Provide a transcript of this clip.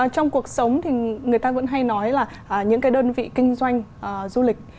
trong cuộc sống thì người ta vẫn hay nói là những cái đơn vị kinh doanh du lịch